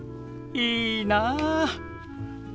いいなあ。